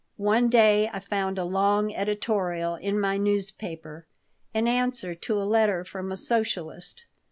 One day I found a long editorial in my newspaper, an answer to a letter from a socialist.